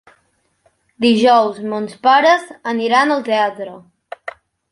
Dijous mons pares aniran al teatre.